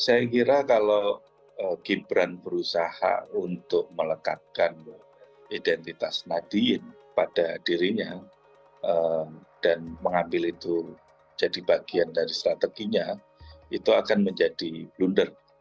saya kira kalau gibran berusaha untuk melekatkan identitas nadiyin pada dirinya dan mengambil itu jadi bagian dari strateginya itu akan menjadi blunder